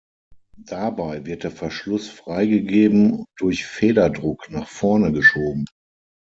Dabei wird der Verschluss freigegeben und durch Federdruck nach vorne geschoben.